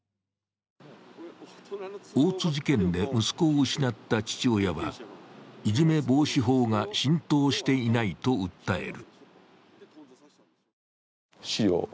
大津事件で息子を失った父親はいじめ防止法が浸透していないと訴える。